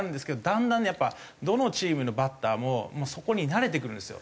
だんだんねやっぱどのチームのバッターもそこに慣れてくるんですよ。